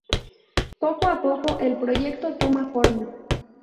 Poco a poco el proyecto toma forma.